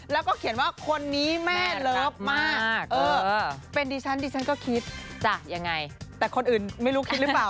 แล้วก็เขียนว่าคนนี้แม่รักมากเป็นดิฉันดิฉันก็คิดแต่คนอื่นไม่รู้คิดรึเปล่า